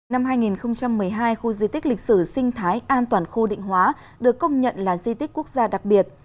năm hai nghìn một mươi hai khu di tích lịch sử sinh thái an toàn khu định hóa được công nhận là di tích quốc gia đặc biệt